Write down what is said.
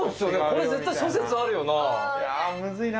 これ絶対諸説あるよなあムズ